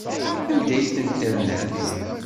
Anda ay tent-ternamt?